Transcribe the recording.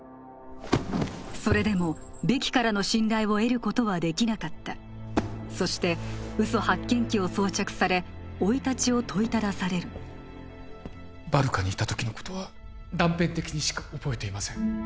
それでもベキからの信頼を得ることはできなかったそして嘘発見器を装着され生い立ちを問いただされるバルカにいた時のことは断片的にしか覚えていません